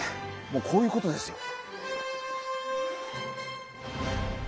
もうこういうことですよ。